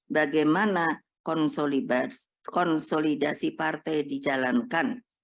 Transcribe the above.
bagaimana konsolidasi partai dijalankan